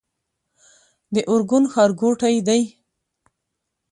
د ارګون ښارګوټی دی